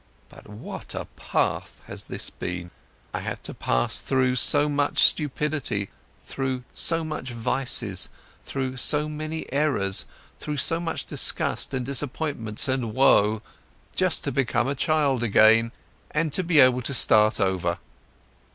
But what a path has this been! I had to pass through so much stupidity, through so much vice, through so many errors, through so much disgust and disappointments and woe, just to become a child again and to be able to start over.